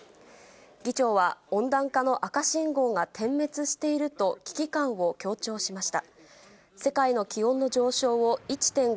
議長は、温暖化の赤信号が点滅していると危機感を強調しました。